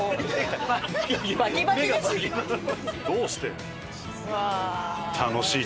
どうして？